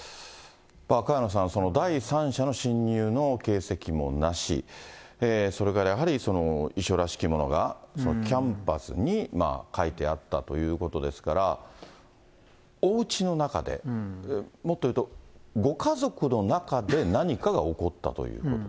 萱野さん、第三者の侵入の形跡もなし、それからやはり遺書らしきものが、キャンバスに書いてあったということですから、おうちの中で、もっというとご家族の中で何かが起こったということ。